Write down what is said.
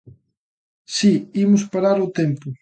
Si, imos parar o tempo.